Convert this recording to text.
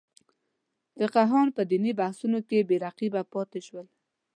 فقیهان په دیني بحثونو کې بې رقیبه پاتې شول.